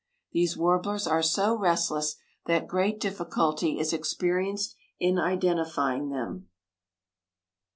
These warblers are so restless that great difficulty is experienced in identifying them.